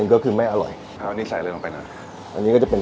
นี่คือเมล็ดโซบาเลย